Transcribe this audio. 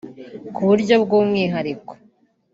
ku buryo bw’umwihariko